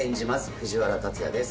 藤原竜也です